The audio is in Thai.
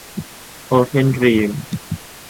โอเพ่นดรีม